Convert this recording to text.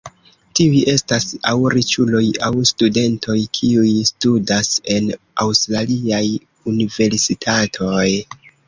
Tiuj estas aŭ riĉuloj aŭ studentoj, kiuj studas en aŭstraliaj universitatoj.